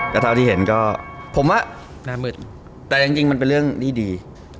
ก็เท่าที่เห็นก็ผมว่าแต่จริงมันเป็นเรื่องที่ดี